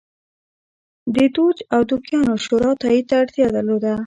د دوج او دوکیانو شورا تایید ته اړتیا درلوده